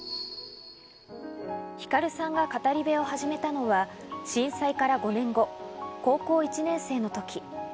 ひかるさんが語り部を始めたのは震災から５年後、高校１年生のとき。